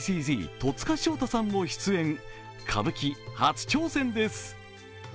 戸塚祥太さんも出演歌舞伎初挑戦です。